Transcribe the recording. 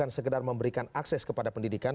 bukan sekedar memberikan akses kepada pendidikan